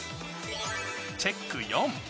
チェック４。